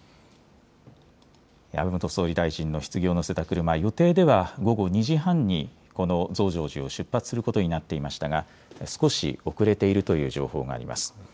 安倍元総理大臣のひつぎを乗せた車、予定では午後２時半にこの増上寺を出発することになっていましたが少し遅れているという情報があります。